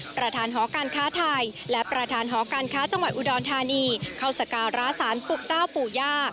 ประธานหอการค้าไทยและประธานหอการค้าจังหวัดอุดรธานีเข้าสการะสารปลุกเจ้าปู่ย่า